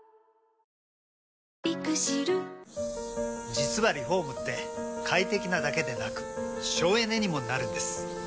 実はリフォームって快適なだけでなく省エネにもなるんです。